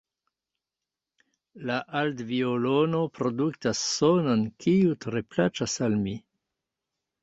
La aldviolono produktas sonon, kiu tre plaĉas al mi.